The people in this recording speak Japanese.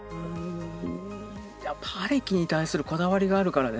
やっぱアレキに対するこだわりがあるからですかね。